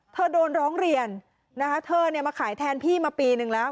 เธอโดนร้องเรียนมาขายแทนพี่มาปีนึงแล้ว